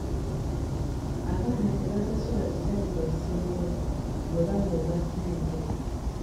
Abaana tebasasula bisale bya ssomero bwe baweebwa ssente.